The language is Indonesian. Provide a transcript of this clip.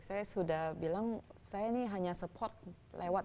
saya sudah bilang saya ini hanya support lewat